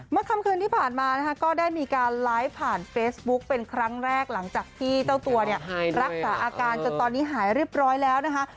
คำคืนที่ผ่านมานะคะก็ได้มีการไลฟ์ผ่านเฟซบุ๊กเป็นครั้งแรกหลังจากที่เจ้าตัวเนี่ยรักษาอาการจนตอนนี้หายเรียบร้อยแล้วนะคะ